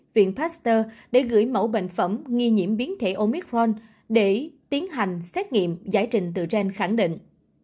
viện pasteur để gửi mẫu bệnh phẩm nghi nhiễm biến thể omicron để tiến hành xét nghiệm giải trình từ gen khẳng định